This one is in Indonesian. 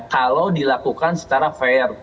kalau dilakukan secara fair